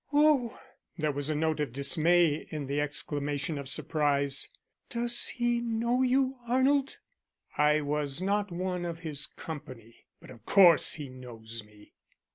"Oh!" There was a note of dismay in the exclamation of surprise. "Does he know you, Arnold?" "I was not one of his company, but of course he knows me."